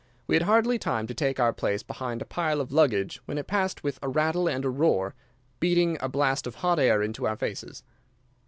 We had hardly time to take our place behind a pile of luggage when it passed with a rattle and a roar, beating a blast of hot air into our faces.